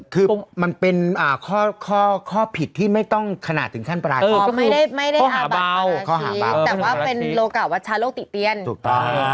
คือมันเป็นข้อผิดที่ไม่ต้องขนาดถึงขั้นปราชิต